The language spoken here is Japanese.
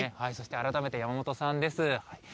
そして、改めて山本さんです。